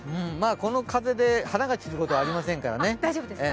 この風で花が散ることはありませんからね。